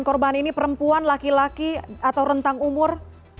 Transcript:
korban ini perempuan laki laki atau rentang umur